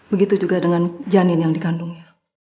begitu juga dengan janin yang dikandungnya